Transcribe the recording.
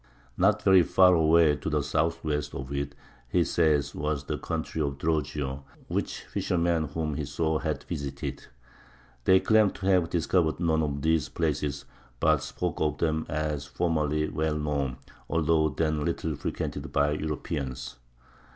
Not very far away to the southwest of it, he says, was the country of Drogeo, which fishermen whom he saw had visited. They claimed to have "discovered" none of these places, but spoke of them as formerly well known, although then little frequented by Europeans.